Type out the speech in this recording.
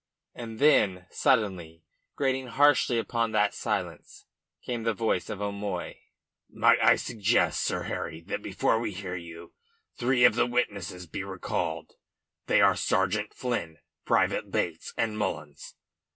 And then suddenly, grating harshly upon that silence, came the voice of O'Moy. "Might I suggest, Sir Harry, that before we hear you three of the witnesses be recalled? They are Sergeant Flynn, Private Bates and Mullins."